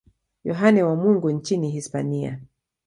Yohane wa Mungu nchini Hispania.